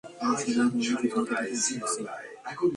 সবাই তোমাদের দুজনকে দেখার আশায় আছে।